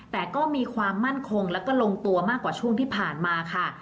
แต่ก็มีความมั่นคงแล้วก็ลงตัวมากกว่าช่วงที่ผ่านมาค่ะ